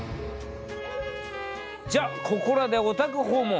じゃあここらでお宅訪問。